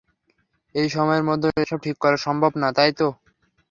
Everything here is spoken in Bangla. এই সময়ের মধ্যে এসব ঠিক করা সম্ভব না, তাই তো?